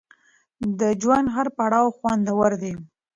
د ژوند هر پړاو خوندور دی.